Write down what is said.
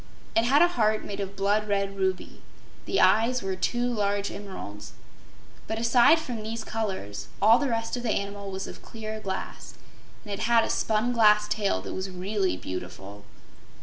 It had a heart made of blood red ruby. The eyes were two large emeralds. But, aside from these colors, all the rest of the animal was of clear glass, and it had a spun glass tail that was really beautiful.